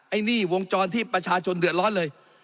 ไอ้นี่วงจรที่ประชาชนเดือดร้อนเลย